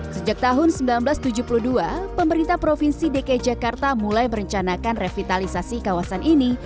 sejak tahun seribu sembilan ratus tujuh puluh dua pemerintah provinsi dki jakarta mulai merencanakan revitalisasi kawasan ini